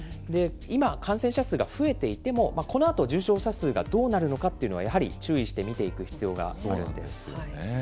今、感染者数が増えていても、このあと重症者数がどうなるのかっていうのは、やはり注意して見ていく必要があるんです。